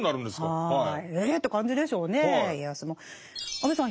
安部さん